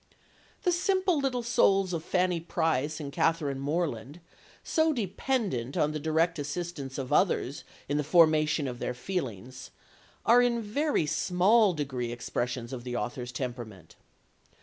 The simple little souls of Fanny Price and Catherine Morland, so dependent on the direct assistance of others in the formation of their feelings, are in very small degree expressions of the author's temperament.